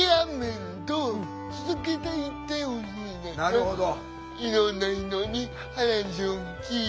なるほど。